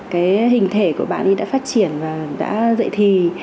cái hình thể của bạn ấy đã phát triển và đã dạy thì